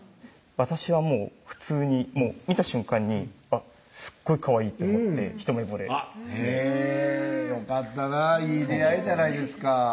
私はもう普通に見た瞬間にすっごいかわいいって思って一目ぼれへぇよかったなぁいい出会いじゃないですか